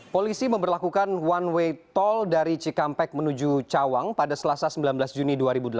polisi memperlakukan one way tol dari cikampek menuju cawang pada selasa sembilan belas juni dua ribu delapan belas